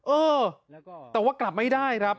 เออแต่ว่ากลับไม่ได้ครับ